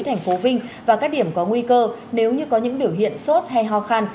thành phố vinh và các điểm có nguy cơ nếu như có những biểu hiện sốt hay ho khăn